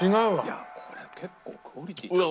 いやこれ結構クオリティー高いな。